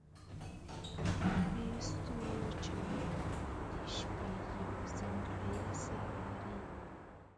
د ستورو چمک د شپې یو ځانګړی اثر لري.